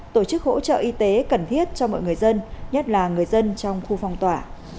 tổ chức hỗ trợ y tế cần thiết cho mọi người dân nhất là người dân trong khu phong tỏa